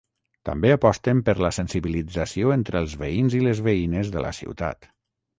També aposten per la sensibilització entre els veïns i les veïnes de la ciutat.